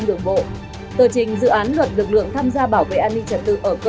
tờ trình dự án luật căn cướp